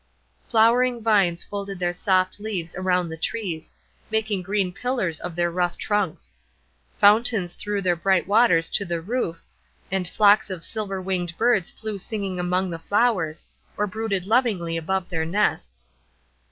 Flowering vines folded their soft leaves around the trees, making green pillars of their rough trunks. Fountains threw their bright waters to the roof, and flocks of silver winged birds flew singing among the flowers, or brooded lovingly above their nests.